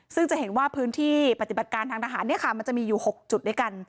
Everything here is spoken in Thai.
ซึ่งจะเห็นว่าพื้นที่ปฏิบัติการทางทหารมันจะมีอยู่๖จุดด้วยกัน